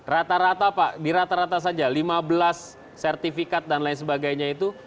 rata rata pak di rata rata saja lima belas sertifikat dan lain sebagainya itu